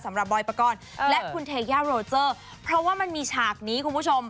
บอยปกรณ์และคุณเทยาโรเจอร์เพราะว่ามันมีฉากนี้คุณผู้ชม